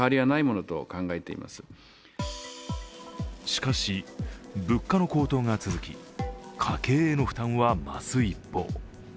しかし、物価の高騰が続き家計への負担は増す一方。